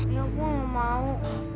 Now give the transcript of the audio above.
ya aku gak mau